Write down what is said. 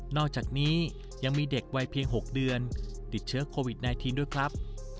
อกจากนี้ยังมีเด็กวัยเพียง๖เดือนติดเชื้อโควิด๑๙ด้วยครับ